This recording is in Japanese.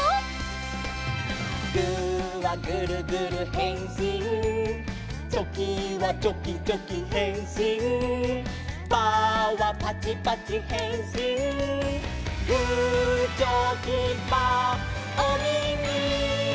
「グーはグルグルへんしん」「チョキはチョキチョキへんしん」「パーはパチパチへんしん」「グーチョキパーおみみ」